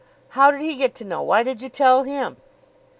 "How did he get to know? Why did you tell him?"